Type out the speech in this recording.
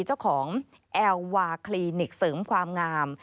เจ้าของแอลวาคลินิกเสริมความงาม